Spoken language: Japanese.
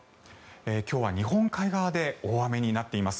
今日は日本海側で大雨になっています。